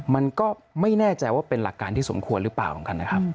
มันก็ไม่แน่ใจว่าเป็นหลักการที่สมควรหรือเปล่าเหมือนกันนะครับ